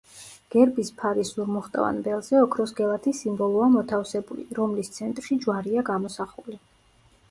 გერბის ფარის ზურმუხტოვან ველზე ოქროს გელათის სიმბოლოა მოთავსებული, რომლის ცენტრში ჯვარია გამოსახული.